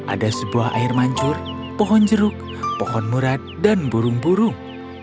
ada sebuah air mancur pohon jeruk pohon murad dan burung burung